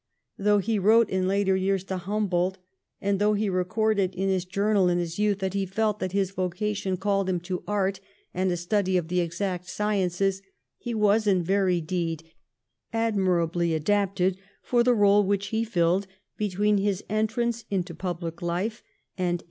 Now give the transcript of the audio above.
Though he wrote in later years to Humboldt, and though he recorded in hi& journal in his youth, that he felt that his vocation ealled him to art and a study of the exact sciences, he was, in very deed, admirably adapted for the role which he filled between his entrance into public life and 1815.